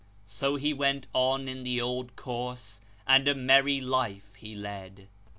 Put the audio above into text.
So he went on in the old course, and a merry life he led.